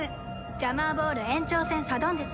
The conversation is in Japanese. ジャマーボール延長戦サドンデス。